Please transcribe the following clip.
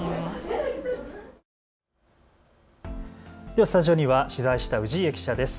ではスタジオには取材した氏家記者です。